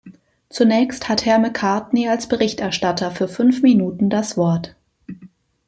Zunächst hat Herr Macartney als Berichterstatter für fünf Minuten das Wort.